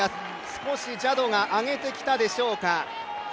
少しジャドが上げてきたでしょうか。